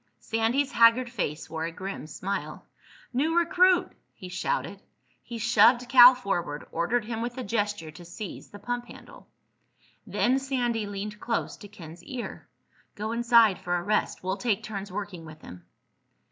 Sandy's haggard face wore a grim smile. "New recruit!" he shouted. He shoved Cal forward, ordered him with a gesture to seize the pump handle. Then Sandy leaned close to Ken's ear. "Go inside for a rest. We'll take turns working with him."